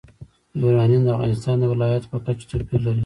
یورانیم د افغانستان د ولایاتو په کچه توپیر لري.